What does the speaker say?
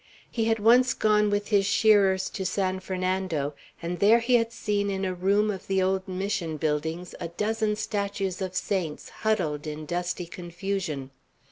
He had once gone with his shearers to San Fernando, and there he had seen in a room of the old Mission buildings a dozen statues of saints huddled in dusty confusion.